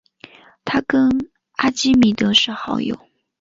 他跟阿基米德是好友。